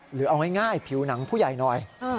หรือเอาง่ายผิวหนังผู้ใหญ่หน่อย